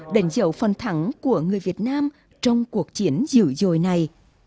đẩy dẫu phần thắng của người việt nam trong cuộc chiến dữ dồi này